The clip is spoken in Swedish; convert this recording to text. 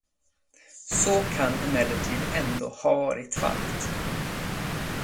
Så kan emellertid ändå ha varit fallet.